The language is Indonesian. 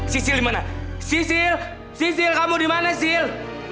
sisil dimana sisil sisil kamu dimana sisil